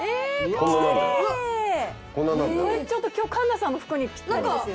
これちょっと今日環奈さんの服にぴったりですよ。